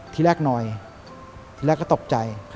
ที่แรกหน่อยแรกก็ตกใจ